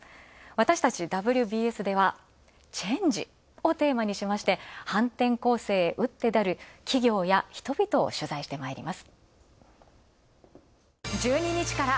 私たち、「ＷＢＳ」では、「チェンジ」をテーマにしまして反転攻勢へうってでる企業や人々を取材してまいります。